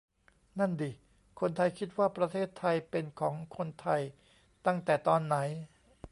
นั่นดิ คนไทยคิดว่าประเทศไทยเป็นของคนไทย ตั้งแต่ตอนไหน ?